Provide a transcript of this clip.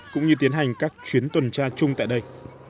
cũng như tiến hành các chuyến tuần tra chung tại đây